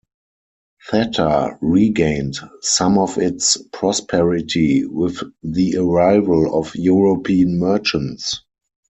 Thatta regained some of its prosperity with the arrival of European merchants.